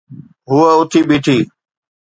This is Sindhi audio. هوءَ اٿي بيٺي.